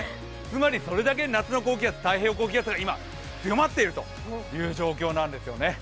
つまりそれだけ夏の高気圧、太平洋高気圧が今、広まっているという状況なんですよね。